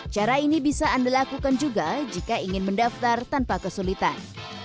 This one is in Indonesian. cara ini bisa anda lakukan juga jika ingin mendaftar tanpa kesulitan